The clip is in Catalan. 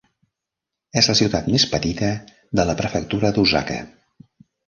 És la ciutat més petita de la Prefectura d'Osaka.